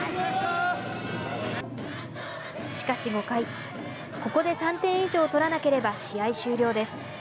しかし５回ここで３点以上取らなければ試合終了です。